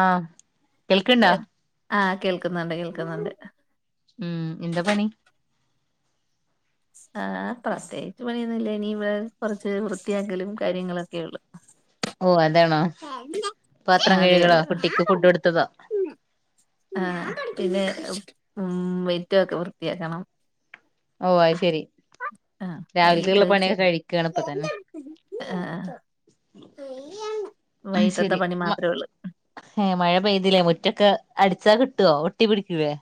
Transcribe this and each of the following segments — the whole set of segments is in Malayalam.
ആഹ കേൾക്ക്‌ണ്ടാ ആഹ കേൾക്കുന്നുണ്ട് കേൾക്കുന്നുണ്ട് ഉം എന്താ പണി ആ പ്രത്യേകിച്ച് പണിയുന്നില്ലനി ഇവ കുറച്ച് വൃത്തിയാക്കലും കാര്യങ്ങളൊക്കെള്ളു ഓ അതാണോ പാത്രം കഴികളോ കുട്ടിക്ക് ഫുഡ് എടുത്തതോ ആഹ പിന്നെ ഉ വെറ്റൊക്കെ വൃത്തിയാക്കണം ഓ അത് ശെരി ആഹ് വൈകിട്ട് രാവിലക്കള്ള പണിയൊക്കെ ചെറിയ കഴിക്കാണ് ഇപ്പൊ തന്നെ ആഹ് വൈകിട്ടത്തെ ശരി പണി മ മാത്രേ ഉള്ളൂ ഏ മഴ പെയ്തില്ലേ മുറ്റൊക്കെ അടിച്ചാ കിട്ടുവോ ഒട്ടി പിടിക്കുലേ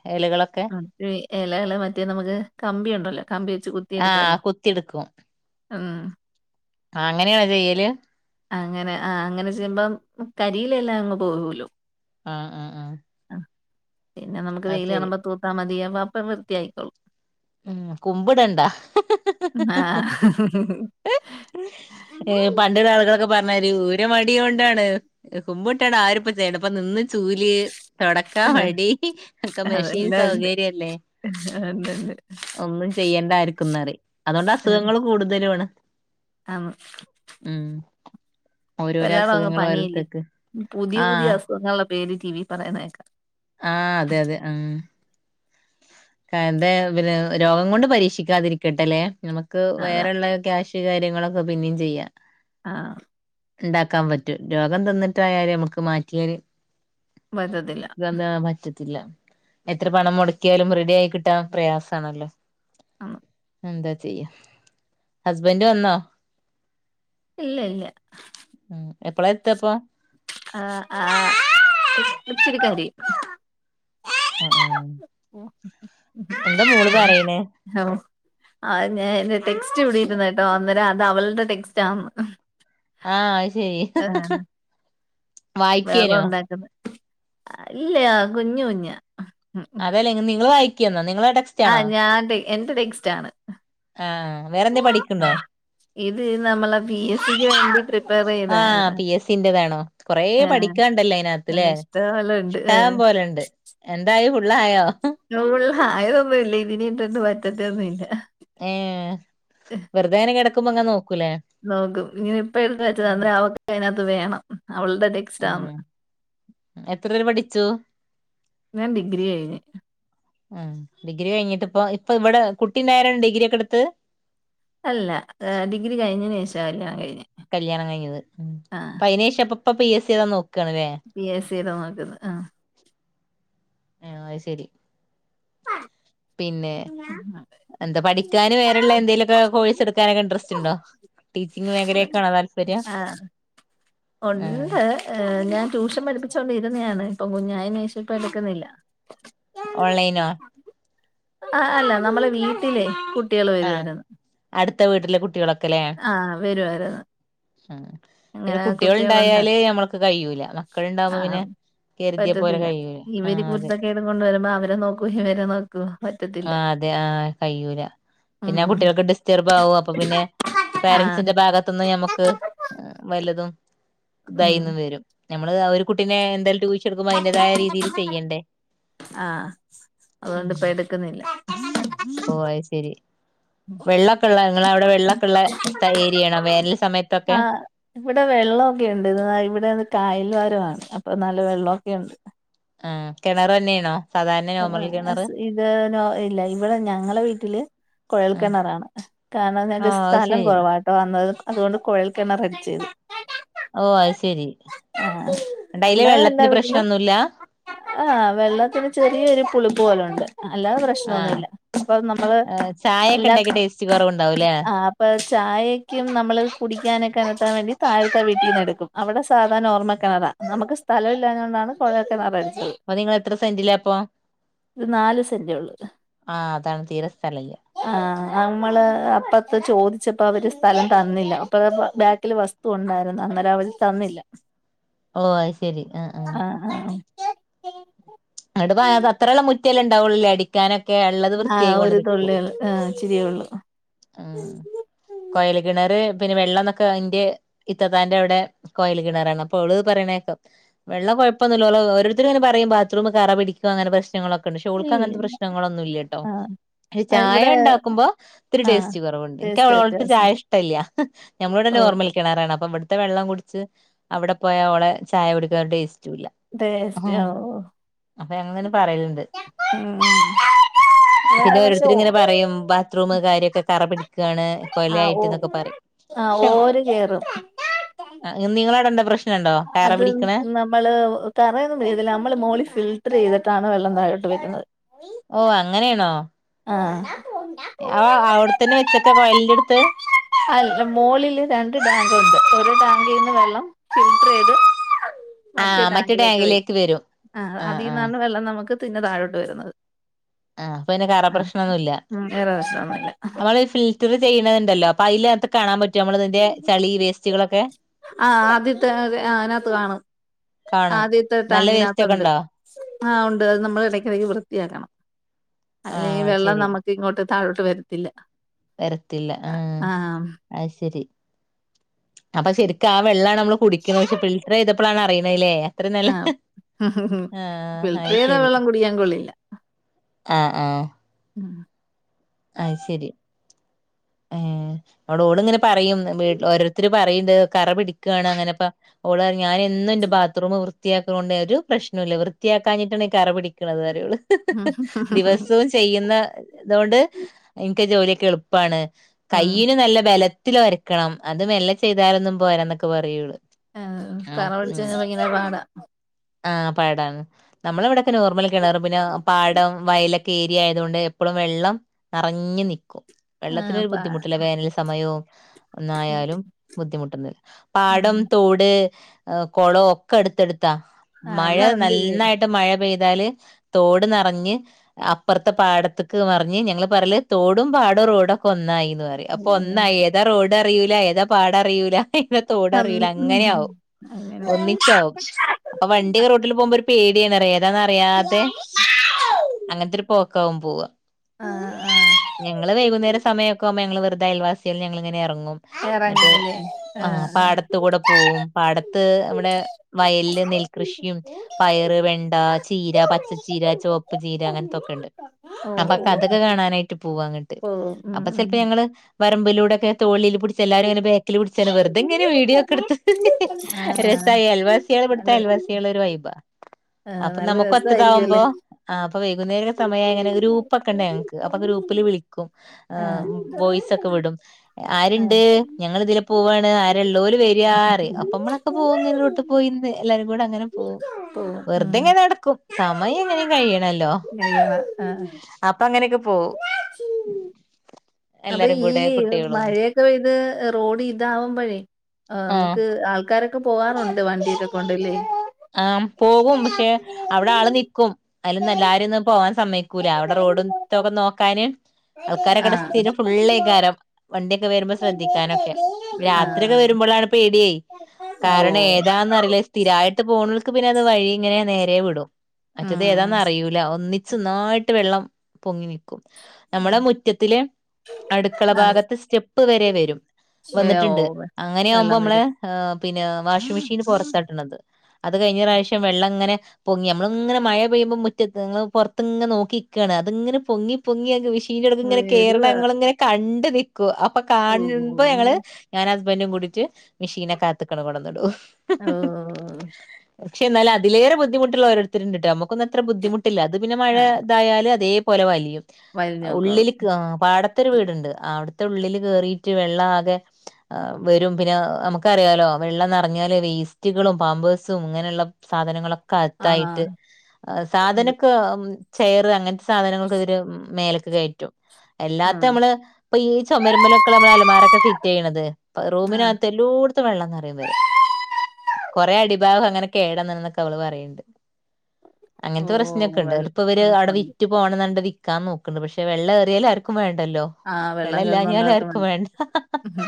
ഇലകള് മറ്റേ നമുക്ക് കമ്പി ഉണ്ടല്ലോ കമ്പി വെച്ച് ആഹ് കുത്തിയെടുക്കാലോ ഉം ആ അങ്ങനെയണോ ചെയ്യല് അങ്ങനെ ആ അങ്ങനെ ചെയ്യുമ്പം കരിയിലെല്ലാം അങ്ങ് പോകുല്ലോ ആഹ ആഹ ആഹ പിന്നെ നമുക്ക് വെയിൽ കാണ്പ തൂത്താ മതി അപ്പം വൃത്തിയായിക്കോളൂ ഉം കുമ്പിടണ്ടാ ആഹ ഹ് ഉ ഏ പണ്ട ആളുകളൊക്കെ പറഞ്ഞമാരി ഊര മടികൊണ്ടാണ് കുമ്പട്ടാണ്ട് ആരിപ്പ ചെയ്യണ്ട പ്പ നിന്ന് ചൂല് തുടക്കാ വടി ഒക്കെ മെഷീൻ അതെല്ലാം ഉണ്ട് സൗകര്യല്ലേ ഉണ്ട് ഉണ്ട് ഒന്നും ചെയ്യേണ്ടായിക്കും ന്നറി അതുകൊണ്ട് അസുഖങ്ങൾ കൂടുതല്യആണ് ആ ഇപ്പ ഓരോരോ എല്ലാടും അങ്ങ് അസുഖങ്ങൾ പനിയില്ലേ ഓരോരുത്തർക്ക് പുതിയ ആഹ് പുതിയ അസുഖങ്ങള്ള പേര് ടി വി പറയുന്നെക്കാം ആഹ അതെ അതെ എന്താ പിന്നെ രോഗം കൊണ്ട് പരീക്ഷിക്കാതിരിക്കട്ടെല്ലേ നമുക്ക് അതാ വേറെള്ള ക്യാഷ് കാര്യങ്ങളൊക്കെ പിനിം ചെയ്യാം ആഹ ഉണ്ടാക്കാൻ പറ്റും രോഗം തിന്നിട്ടായാല് നമുക്ക് മാറ്റിയല് പറ്റത്തില്ല പറ്റത്തില്ല എത്ര പണം മുട യാലും റെഡി ആയി കിട്ടാ പ്രയാസാണല്ലോ ആ എന്താ ചെയ്യാ ഹസ്ബന്റ് വന്നോ ഇല്ല ഇല്ല ഉം എപ്പളാ എത്തപ്പൊ ആ ആ ഇച്ചിരി കയിം ആ ഉം എന്താ മോള് പറയണേ ഓ അ ഞാൻ എന്റെ ടെക്സ്റ്റ് വിടി കേട്ടോ അന്നേരം അത് അവളുടെ ടെക്സ്റ്റ് ആന്ന് ആഹ ശരി ഹ് ആഹ് വായിക്കേനോ ഇല്ലയാ കുഞ്ഞു കുഞ്ഞ് അതെല്ലെ നിങ്ങള്ൾ വായിക്കെന്നോ നിങ്ങള ആഹ ഞാൻ എന്റെ ടെക്സ്റ്റ് ആണ് ആഹ് വേറെന്തേ പഠിക്കണ്ടോ ഇത് നമ്മള പി എസ് സിക്ക് വേണ്ടി പ്രിപ്പയർ ആഹ് ചെയ്തായിരുന്ന പി എസ് സിന്റേതാണോ കൊറേ പഠിക്കാണ്ടല്ലോ ആഹ അതിനകത്ത്ല്ലേ ഇഷ്ട ന്നാലുണ്ട് ആഏ ഇഷ്ടം പോലെണ്ട് എന്തായി ഫുള്ളായോ നമ്മള് ആയതൊന്നുമ ഇല്ല ഇതിനന്നും പറ്റത്തോ [unintelligible] ന്നുമല്ല ഏ വെറുതെേനെ കിടക്കുമ്പോ ങ്ങനെ നോക്ക നോക്കും ഇങ്ങനെ ഇപ്പ എട്ത്വെച്ച അവക്ക് അതിനകത്ത് വേണം അവളടെ ടെക്സ്റ്റ ആന്ന് ഉം എത്ര വരെ പഠിച്ചു ഞാൻ ഡിഗ്രി കയിഞ്ഞ് ഉം ഡിഗ്രി കഴിഞ്ഞിട്ട് ഇപ്പ ഇപ്പൊ ഇവിടെ കുട്ടിണ്ടായരാണ് ഡിഗ്രി ഒക്കെ എടുത്തത് അല്ല ഡിഗ്രി കഴിഞ്ഞന് ശേഷം ല്ലാം കഴിഞ്ഞു കല്യാണം കഴിഞ്ഞത് ഉ അപ്പ അയിനേഷം അപ്പപ്പ പി എസ് സി താ നോക്കാണ്ല്ലേ [unintelligible] ക്കുന്നത് ആ ആഹ അ ശരി പിന്നെ എന്താ പഠിക്കാനും വേറെള്ള എന്തെലുമൊക്കെ കോഴ്സ് എടുക്കാനൊക്കെ ഇൻട്രസ്റ്റ് ഉണ്ടോ ടീച്ചിങ്ങ് മേഖലേക്കാണോ താല്പര്യം ആഹ് ആഹ് ഉണ്ട് ഏ ഞാൻ ട്യൂഷൻ പഠിപ്പിച്ചോണ്ടിരുന്നയാണ് ഇപ്പൊ കുഞ്ഞായേന് ശേഷം ഇപ്പം എടുക്കുന്നില്ല ഓൺലൈനോ ആ അല്ല നമ്മളെ വീട്ടിലെ ആ അടുത്ത വീട്ടിലെ കുട്ടികളൊക്കെല്ലേ ആ വരുവായിരുന്നു പിന്നെ അങ്ങനെ കുട്ടികൾ കുട്ടികളുണ്ട് ഇണ്ടായാല് ഞമ്മൾക്ക് കഴിയൂല മക്കള് ആ ണ്ടാവുമ്പോ പിന്നെ കരുതിയ പോലെ പറ്റത്തില്ല കഴിയൂല ഇവര് ആഹ് അതെ കുരുത്തക്കേടും കൊണ്ട് വരുമ്പോ അവരെ നോക്കും ഇവരെ നോക്കും ആ അതെ ആ കയ്യൂല പിന്നെ ഉം കുട്ടികൾക്ക് ഡിസ്റ്റർബ് ആകും അപ്പൊ പിന്നെ ആ പോരന്റ്സിന്റെ ഭാഗത്തു നിന്ന് ഞമ്മക്ക് വല്ലതും ഉം തായീന്നും വരും നമ്മള് ആ ഒരു കുട്ടിനെ എന്തായാലും ട്യൂഷനെടുക്കുമ്പോ അതിന്റേതായ രീതിൽ ചെയ്യണ്ടേ ആ അതുകൊണ്ട് ഇപ്പ എടു ഓ അയ്ശരി വെള്ളൊക്കെള്ള നിങ്ങളവിടെ വെള്ളൊക്കെള്ള സ്ത ഏരിയണോ വേനൽ സമയത്തൊക്കെ ആ ഇവിടെ വെള്ളൊക്കെ ഇണ്ട് ഇത് ഇവിടെ കായൽവാരമാണ് അപ്പൊ നല്ല വെള്ളൊക്കെയുണ്ട് ആ കിണർ തന്നെണോ? ആ ഇത് നോ ഇല്ല ഇവിടെ ഞങ്ങളെ വീട്ടില് ആ കുഴൽക്കിണറാണ് കാരണം ഓ ഞങ്ങൾക്ക് അത് സ്ഥലം ശരി കുറവാട്ടോ അന്നത് അതുകൊണ്ട് കുഴൽക്കണറടിച്ചത് ഓ അയ്ശരി അല്ലാതെ എല്ല വീട്ടിലും ആ വെള്ളത്തിന് ചെറിയ ഒരു പുളിപ്പ് പോലുണ്ട് അല്ലാതെ ആ പ്രശ്നൊന്നുല്ല അപ്പൊ നമ്മള് ചായയൊക്കെ എല്ലാ ഉണ്ടാക്കി ടേസ്റ്റ് കുറവുണ്ടാവൂല്ലേ ആ അപ്പൊ ചായയ്ക്കും നമ്മൾ കുടിക്കാനൊക്കെ [unintelligible] വേണ്ടി താഴത്തെ വീട്ടീന്ന് എടുക്കും അവിടെ സാധാരണ നോർമ്മൽ കിണറാ നമുക്ക് സ്ഥലല്ലാഞൊണ്ടാണ് കുഴൽ കിണറടിച്ചത് അപ്പൊ നിങ്ങൾ എത്ര സെന്റിലാ ഇപ്പൊ ഇത് നാല് സെന്റേ ഉള്ളൂ ആ അതാണ് തീരെ സ്ഥലല്ല ആ നമ്മള് അപ്പത്തെ ചോദിച്ചപ്പോ അവര് സ്ഥലം തന്നില്ല അപ്പ ബാക്കില് വസ്തു ഉണ്ടായി രുന്നു അന്നേരം അവര് തന്നില്ല ഓ അയ്ശരി ആ ആ ആഹ് ആഹ് അ അഓണ്ട്പ്പോ അത്രയുള്ള മുറ്റല്ലെ ഉണ്ടാവുള്ളൂല്ലേ അടിക്കാനൊ ക്കെ ഉള്ളത് ആഹ് വൃത്തിയായി കൊണ്ട് ഒരു നിൽക്കും തുള്ളിയള് ആഹ് ഇച്ചിരിയേ ഉള്ളൂ ആ കൊയൽ കിണറി പിന്നെ വെള്ളം ന്നൊക്കെ ന്റെ ഇത്തത്താന്റെ അവിടെ കോയൽ കിണറാണ് അപ്പൊ ഓള് പറയണേക്കാ വെള്ളം കുഴപ്പന്നുല്ല ഓരരുത്തരു ങ്ങനെ പറയും ബാത്റൂം കറ പിടിക്കും അങ്ങന പ്രശ്നം പ്രശ്നങ്ങളൊക്കെ ഇണ്ട് പക്ഷേ ഓൾക്ക് അങ്ങനത്തെ ഇല്ലില്ല പ്രശ്നങ്ങളൊന്നും ഇല്ലട്ടോ ആഹ് ചായ ഇവിടെ ഇണ്ടാക്കുമ്പോ ഇത്തിരി ആഹ് ടേസ്റ്റ് കുറവുണ്ട് എനിക്ക് ടേസ്റ്റ് അവളോട്ത്തെ വ്യത്യാസം ചായ വരും ഇഷ്ടല്ല ഞമ്മള ഓഹ് നോർമൽ കിണറാണ് അപ്പം ഇവട്ത്തെ വെള്ളം കുടിച്ച് അവിടെ പോയാ ഓളെ ചായ കുടിക്കാൻ ഒരു ടേസ്റ്റ് ടേസ്റ്റോ അപ്പൊ ഞങ്ങളന്നെ പറയല്ണ്ട് ഉം വേറെ പിന്നെ പക്ഷെ ഓരോരുത്തരും ഓ ഇങ്ങനെ പറയും ബാത്ത്റൂം കാര്യോക്കെ കറ പിടിക്കാണ് കൊലായിട്ട്ന്നൊക്കെ പറയും ആ ഓര് കേറും ആ നിങ്ങളടെണ്ടോ പ്രശ് അത് നമ്മള് തറയൊന്നും മെഴുകില്ല നമ്മള് മോളി ഫിൽട്ടർ ചെയ്തിട്ടാണ് വെള്ളം തായോട്ട് വെക്കുന്നത് ഓ അങ്ങനെണോ ആ അവ അവിടുത്തന്നെ വെച്ചക്ക കോയലിന്റെട്ത്ത് അല്ല മോളില് രണ്ട് ടാങ്കൊണ്ട് ഒരു ടാങ്കീന്ന് വെള്ളം ഫിൽട്ടറെയ്ത് മറ്റേ ടാങ്കിലേക്ക് വരും അ ആ ആ അതീന്നാണ് വെള്ളം നമുക്ക് പിന്നെ താഴോട്ട് വരുന്നത് അ അപ്പൊ പിന്നെ കറ ആഹ് പ്രശ്നൊന്നുല്ല്യ ഉം വേറെ പ്രശ്നൊന്നുല്ല നമ്മളീ ഫിൽറ്ററ് ചെയ്യ്ണത്ണ്ടല്ലോ പയിലാത്ത് കാണാമ്പറ്റ് റ്റ്വോ നമ്മളതിന്റെ ചളി വേസ്റ്റുകളൊക്കെ ആഹ് ആദ്യത്തെ അതിനകത്ത് കാണും കാണോ നല്ല വേസ്റ്റൊക്കെണ്ടാ ആ ഉണ്ട് അത് നമ്മള് എടയ്ക്കിടയ്ക്ക് വൃത്തിയാക്കണം ആ അല്ലേ ഈ വെള്ളം ശരി നമ്മക്കിങ്ങോട്ട് താഴോട്ട് വരത്തില്ല വരത്തില്ല ആഹ് അത് ശരി അപ്പ ശരിക്കാ വെള്ളാ നമ്മള് കുടിക്ക്ണ പക്ഷെ ഫിൽറ്ററെയ്തപ്പളാണറിയണത് ല്ലേ അത്രെ നലെ ആഹ് ആ ഫിൽട്ടർ അയ് ചെയ്ത ശരി വെള്ളം കുടിക്കാൻ കൊള്ളില്ല അ അ [inaudible] അയ് ശരി ഏഹ് അവടോളിങ്ങനെ പറയും വീട്ട്ല് ഓരോരുത്തര് പറയിണ്ട് കറ പിടിക്ക് ആണ് അങ്ങനെപ്പ ഓള് അറയു ഞാനെന്നും എന്റെ ബാത്ത്റൂമ് വൃത്തിയാക്ക്ണ കൊണ്ട് ഒരു പ്രശ്നൂല്ല വൃത്തിയാക്കാഞ്ഞിട്ടണ് ഈ കറ പിടിക്ക്ണത് പറയു അവള് ഉം [unintelligible] ദിവസവും ചെയ്യുന്ന തോണ്ട് എനിക്ക് ജോലിയൊക്കെ എളുപ്പാണ് കൈയ്യിന് നല്ല ബലത്ത് ത്തിലൊരക്കണം അത് മെല്ല ചെയ്താലൊന്നും പോരാന്നൊക്കെ പറയു ഒള് ആ കറ പിടിച്ച ഭയങ്കര പാടാ അ പാടാണ് നമ്മളിവിടെയൊക്കെ നോർമല് കിണറ് പിന്നെ ആ പാടം വയലൊക്കെ ക്കേരിയായതുകൊണ്ട് എപ്പളും വെള്ളം നെറഞ്ഞ് നിക്കും ആഹ് വെള്ളത്തിനൊരു പ ബുദ്ധിമുട്ടില്ല വേനൽ സമയവും ഒന്നായാലും ബുദ്ധിമുട്ടൊന്നുല്ല ഉം പാടം തോട് അ് കൊളോ ഒക്കെ അടുത്തടുത്ത് ത്താ ആഹ് മഴ എല്ലാം ഉണ്ടില്ലേ നൽന്നായിട്ട് മഴ പെയ് താല് തോട് നെറഞ്ഞ് അപ്പറത്തെ പാടത്ത്ക്ക് നെറഞ്ഞ് ഞങ്ങള് പറല് തോടും പാടോ റോഡൊക്കൊന്നായീന്ന് പറയും അപ്പൊ ഒന്നായി ഏതാ റോഡ് ഡറിയൂല ഏതാ പാടറിയൂല പിന്നെ തോടറിയൂല അന്ന് ഉം അങ്ങനെയാവും അങ്ങനെ ഒന്നിച്ചാവും അപ്പ വണ്ടി റോട്ടില് പോവുമ്പൊരു പ് പേടിയാണറയും ഏതാന്നറിയാത്തെ അങ്ങനത്തൊരു പോക്കാവും പോവ ആ ആ ഞങ്ങള് വൈകുന്നേരം സമയൊക്കാവുമ്പോ ഞങ്ങള് വെറുതെ അയൽവാസികള് ഞങ്ങളിങ്ങനെ എറങ്ങും ആഹ് ന്നട്ട് എറങ്ങാല്ലേ ആ ആഹ് പാടത്ത് കൂടെ പോവും പാടത്ത് അവടെ വയലില് നെൽകൃഷിയും പയ ആഹ് യറ് വെണ്ട ചീര ഓ പച്ചച്ചീര ചോപ്പ് ചീര അങ്ങനത്തൊക്ക ഇണ്ട് അപ്പക്ക അതക്ക കാണാനായിട്ട് പോവാങ്ങട്ട് ഓ ഉം അപ്പ ഉം ചെൽപ്പ ഞങ്ങള് വരമ്പിലൂടെക്കെ തോളില് പിടിച്ചെല്ലാരു ഇങ്ങനെ ബാക്കില് പിടിച്ചെര വെറുതെ ഇങ്ങനെ വീഡിയോ ഒക്കെടുത്ത് ആഹ് രസാ അയൽവാസികള് നല്ല ഇവിടത്തയൽ ൽവാസികളൊരു വൈബാ ആഹ് അപ്പ നല്ല രസായിരിക്കും നമുക്കൊത്തതാവുമ്പോ അല്ലേ ആപ് വൈകുന്നര സമയങ്ങനെ ഗ്രൂപ്പൊക്കണ്ട് ഞങ്ങ്ക്ക് അപ്പൊ ഗ്രൂപ്പില് വിളിക്കും ആഹ് വോയ്സൊക്ക വിടും ആഹ് ആരിണ്ട് ഞങ്ങളിതിലെ പോവാണ് ആരെള്ളോല് വരിയാറയും അപ്പമ്മളൊക്കെ ഓ പോവുങ്ങനെ റോട്ടി പോയി നിന്ന് എല്ലാരും കൂടങ്ങനെ പോവും ഉം വെറുതെയിങ്ങനെ നടക്കും സമയം എങ്ങനേം കഴിയണല്ലോ നെയ് മാസാ അപ്പങ്ങനെയൊക്ക പോവും അപ്പൊ എല്ലാരും ഈ കൂടെ കുട്ടികളും മഴയൊക്ക പെയ്ത് റോഡ് ഇതാവുമ്പയ് ആ ആഹ് അമുക്ക് ആൾക്കാരൊക്ക പോവാറൊണ്ട് വണ്ടിനെ കൊണ്ടല്ലേ അവിടാള് നിക്കും അയിലൊന്നെല്ലാരെയൊന്നും പോവാൻ സമ്മയ്ക്കൂല അവടെ റോഡും തൊക്കെ നോക്കാന് ആൾക്കാരൊക്കവടെ ആഹ് സ്ഥിരം ഫുള്ളേക്കാരം വണ്ടിയൊക്കെ വരുമ്പ ശ്രദ്ധിക് ക്കാനൊക്കെ ആഹ് രാത്രിയൊക്ക വരുമ്പളാണ് പേടിയേ കാരണം ഓഹ് ഏതാന്നറിയില്ല സ്ഥിരായിട്ട് ട്ട് പോണോൽക്ക് പിന്നെ അത് വഴിയിങ്ങനെ നേരേ വിടും മറ്റത് ഉം ഏതാന്നറിയൂല ഒന്നിച്ചൊന്നായിട്ട് വെള്ളം പൊങ്ങി നിക്ക് നമ്മളെ മുറ്റത്തില്. അടുക്കള ആഹ് ഭാഗത്ത് സ്റ്റെപ്പ് വരെ വരും വന്നിട്ടുണ്ട് ഓഹ് അങ്ങനെ ആകുമ്പോ വെള്ളം നമ്മളെ വരും ഹ്‌ പിന്നെ വാഷിംഗ് മെഷീന് പുറത്താട്ടാടണത്. അത് കഴിഞ്ഞ പ്രാവശ്യം വെള്ളംങ്ങനെ. പൊങ്ങി നമ്മളിങ്ങനെ മഴ പെയ്യുമ്പോൾ മുറ്റത്ത് നിൽ പുറത്ത് ഇങ്ങെ നോക്കിനിക്കാണ് അതിങ്ങെനെ പൊങ്ങി പൊങ്ങി മി ഷിൻറ്റെടുത്ത് ഇങ്ങനെ വരുവാ കേറണത് ഇങ്ങനെ കണ്ട് നിക്ക അപ്പൊ ഓഹ് കാണുമ്പോ ഞങ്ങള് ഞാനാ ഹസ് ഹസ്ബൻഡും കൂടിട്ട് മിഷീനൊക്കെ അകത്ത്ക്കാട്ട് കൊണ്ടന്ന്ടും. ഹോ.. പക്ഷേ ഇന്നാലതിലേറെ ബുദ്ധിമുട്ടുള്ള ഓരോരുത്തര്ണ്ട്ട്ടോ നമുക്കൊന്നും അത്ര ബുദ്ധിമുട്ടില്ല അത് പിന്നെ മഴ ആഹ് ഇതായാല് അതെ പോ പോലെ വലിയും വലിഞ്ഞോക്കോളും ഉള്ളിൽക്ക്‌ പാട എട്ത്തൊരു വീട്ണ്ട് അവ്ടുത്തെ ഉള്ളില് കേറീട്ട് വെള്ളാകെ ആഹ് വരും പിന്നെ നമുക്കറിയാലോ വെള്ളം നിറഞ്ഞാല് വേസ് റ്റ്കളും പാമ്പേസും ഇങ്ങനെള്ള സാധനങ്ങളൊക്കെ. കത്തായിട്ട് ആഹ് ഉണ്ട് സാധനക്കെ ചെയറ് അങ്ങനത്തെ സാധനങ്ങൾക്കെ ഇവര് മേല് എല്ലാത്ത ആഹ് അമ്മള് ഇപ്പയീ ചൊമരുമലൊക്കെ നമ്മള് അലമാരൊക്കെ ഫിറ്റയ്ണത് ഇപ്പൊ ആഹ് റൂമിനകത്ത്. ല്ലോടത്തും വെള്ളം നിറയുംവരെ കൊറെ അടിഭാഗം അങ്ങനെ കേടന്ന്ന്നൊക്കെ അവള് പറയണ്ട്. അങ്ങനത്തെ പ്രശ്നെക്കെ ഓഹ് ഉണ്ട് വെള്ളം ഇപ്പോ ഇവര് അവടെ ഉണ്ട് വിറ്റ് പോകണന്നുണ്ട് വി ക്കാൻ നോക്കണ്ട് പക്ഷെ വെള്ളം എറിയാലും ആർക്കും വേണ്ടല്ലോ ആഹ് വെള്ളം ഇല്ലാഞ്ഞാലും ആർക്കും വേണ്ട. ഉം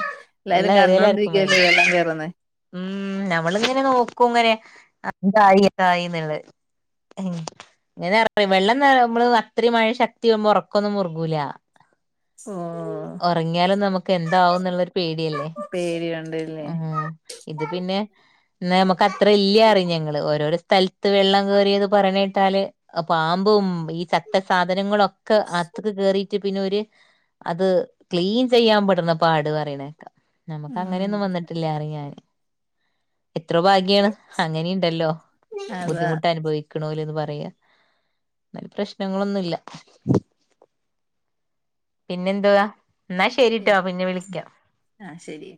എല്ലാരും വെള്ളം ഏറിയാലും ആർക്കും വേണ്ട കണ്ടോണ്ടിരിക്കല്ലേ വെള്ളം കേറുന്നേ ഉം ഞമ്മള് ഇങ്ങനെ നോക്കും എങ്ങനെ എന്തായിന്തായിന്നുളേ. ഉം ഇങ്ങനെറഞ്ഞ വെള്ളം നമ്മള് അത്രയും മഴ ശക്തി അവുമ്പോ ഉറക്കൊന്നും മുറുകൂല. ഓ [inaudible] ഒറങ്ങിയാലും നമുക്ക് എന്താവും എന്നുള്ളരു പേടിയല്ലേ പേടിയുണ്ടല്ലേ ഉം ഇത് പിന്നെ ഇന്നാ നമ്മക്കത്രല്ല്യറിം ഞങ്ങള് ഓരോരോ സ്ഥലത്ത് വെള്ളം കേറിയത് പറയാ [unintelligible] ത്താല് പാമ്പും ഈ ചത്ത സാധനങ്ങളൊക്കെ അക് ത്ത്ക്ക്‌ കേറിട്ട് പിന്നെ ഓര് അത് ക്ലീൻ ചെയ്യാൻ പെടുന്ന പാട് പറയണേക്കാ. ഉം നമക്കങ്ങനെയൊന്നും വന്നിട്ടില്ലാന്നാറിയും ഞാന്. എത്രോ ഭാഗ്യാണ് അങ്ങനിണ്ടല്ലോ അതാ ബുദ്ധിമുട്ട് അനുഭവി ക്ക്ണോല്ന്ന് പറയാ ന്നലും പ്രശ്നങ്ങളൊന്നുല്ല. പിന്നെന്തുവാ? എന്നാ ശ ശരിട്ടോ പിന്നെ വിളിക്കാം ആഹ് ശരി.